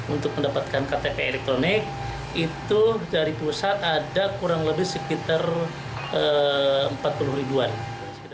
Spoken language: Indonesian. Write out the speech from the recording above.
untuk mendapatkan ktp elektronik itu dari pusat ada kurang lebih sekitar empat puluh ribuan